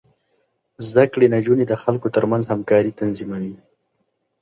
زده کړې نجونې د خلکو ترمنځ همکاري تنظيموي.